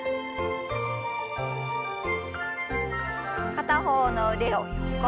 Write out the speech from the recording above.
片方の腕を横。